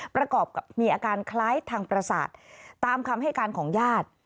ประกอบกับมีอาการคล้ายทางประสาทตามคำให้การของญาติ